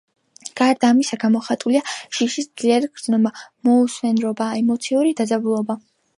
გარდა ამისა, გამოხატულია შიშის ძლიერი გრძნობა, მოუსვენრობა, ემოციური დაძაბულობა.